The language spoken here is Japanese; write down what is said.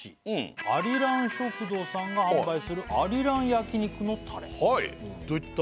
アリラン食堂さんが販売するアリラン焼肉のたれどういった？